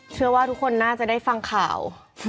เชื่อว่าทุกคนน่าจะได้ฟังข่าว